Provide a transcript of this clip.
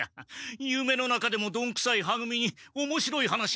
ゆめの中でもどんくさいは組におもしろい話ができるとは思えん。